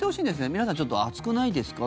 皆さんちょっと暑くないですか？